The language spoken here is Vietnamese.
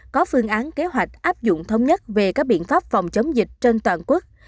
có phương án kế hoạch áp dụng thống nhất về các biện pháp phòng chống dịch trên toàn quốc